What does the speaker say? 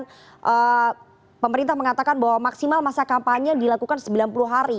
dan pemerintah mengatakan bahwa maksimal masa kampanye dilakukan sembilan puluh hari